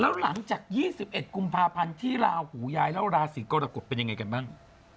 แล้วหลังจาก๒๑กุมภาพันธ์ที่ลาหูย้ายแล้วราศีกรกฎเป็นยังไงกันบ้าง